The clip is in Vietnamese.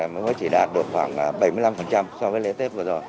mới chỉ đạt được khoảng bảy mươi năm so với lễ tết vừa rồi